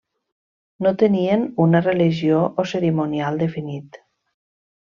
No tenien una religió o cerimonial definit.